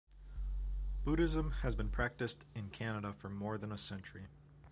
Buddhism has been practised in Canada for more than a century.